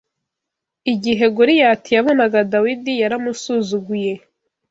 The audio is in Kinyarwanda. Igihe Goliyati yabonaga Dawidi yaramusuzuguye